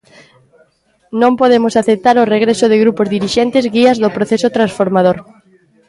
Non podemos aceptar o regreso de grupos dirixentes guías do proceso transformador.